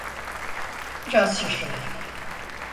Biraz şaşırdım.